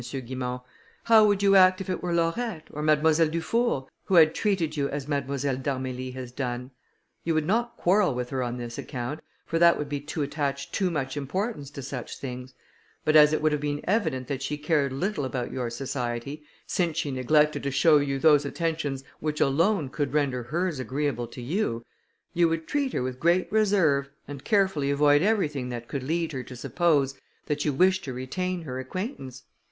Guimont, "how would you act if it were Laurette, or Mademoiselle Dufour, who had treated you as Mademoiselle d'Armilly has done? You would not quarrel with her on this account, for that would be to attach too much importance to such things; but as it would have been evident that she cared little about your society, since she neglected to show you those attentions which alone could render hers agreeable to you, you would treat her with great reserve, and carefully avoid everything that could lead her to suppose that you wish to retain her acquaintance.